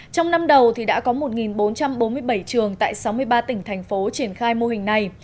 trong năm đầu thì đã có một bốn trăm bốn mươi bảy trường tại sáu mươi ba tỉnh thành phố triển khai mô hình này